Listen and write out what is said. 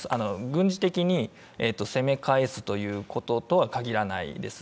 軍事的に責め返すということとは限らないです。